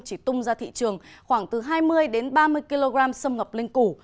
chỉ tung ra thị trường khoảng từ hai mươi ba mươi kg xâm ngọc linh cũ